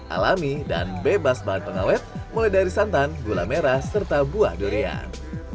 alami dan bebas bahan pengawet mulai dari santan gula merah serta buah durian